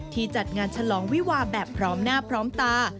จัดงานฉลองวิวาแบบพร้อมหน้าพร้อมตา